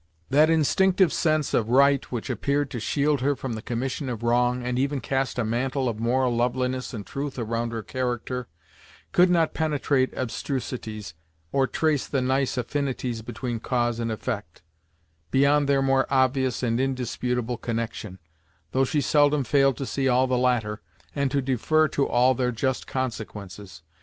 That instinctive sense of right which appeared to shield her from the commission of wrong, and even cast a mantle of moral loveliness and truth around her character, could not penetrate abstrusities, or trace the nice affinities between cause and effect, beyond their more obvious and indisputable connection, though she seldom failed to see all the latter, and to defer to all their just consequences.